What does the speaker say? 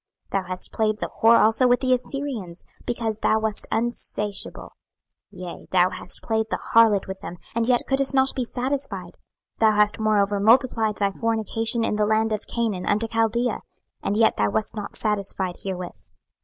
26:016:028 Thou hast played the whore also with the Assyrians, because thou wast unsatiable; yea, thou hast played the harlot with them, and yet couldest not be satisfied. 26:016:029 Thou hast moreover multiplied thy fornication in the land of Canaan unto Chaldea; and yet thou wast not satisfied therewith.